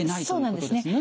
そうなんですね。